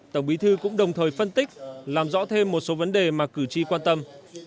tổng bí thư cũng đồng thời phân tích làm rõ thêm một số vấn đề mà cử tri quan tâm